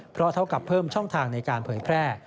เพราะเท่ากับเพิ่มช่องทางในการเผยแพร่